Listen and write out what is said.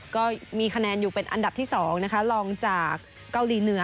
ก็มีคะแนนอยู่เป็นอันดับที่๒นะคะรองจากเกาหลีเหนือ